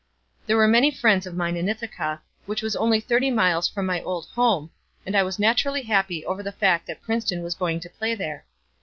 There were many friends of mine in Ithaca, which was only thirty miles from my old home, and I was naturally happy over the fact that Princeton was going to play there.